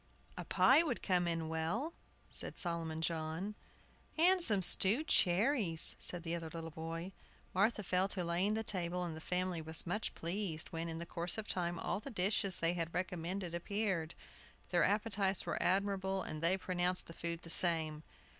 "A pie would come in well," said Solomon John. "And some stewed cherries," said the other little boy. Martha fell to laying the table, and the family was much pleased, when, in the course of time, all the dishes they had recommended appeared. Their appetites were admirable, and they pronounced the food the same.